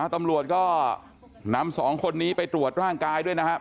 ตำรวจก็นำ๒คนนี้ไปตรวจร่างกายด้วยนะครับ